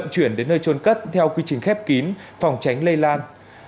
chuyển đến nơi trôn cất theo quy trình khép kín phòng tránh lây lan